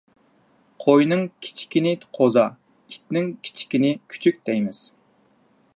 قوينىڭ كىچىكىنى قوزا، ئىتنىڭ كىچىكىنى كۈچۈك دەيمىز.